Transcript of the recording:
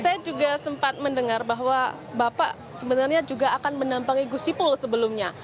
saya juga sempat mendengar bahwa bapak sebenarnya juga akan menampangi gusipul sebelumnya